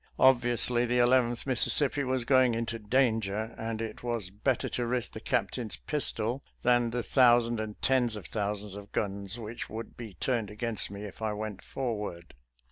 Obviously the Eleventh Mississippi was going into danger, and it was bet ter to risk the captain's pistol than the thousand and tens of thousands of guns which would be turned against me if I went forward.